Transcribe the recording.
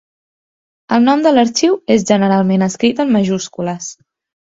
El nom de l'arxiu és generalment escrit en majúscules.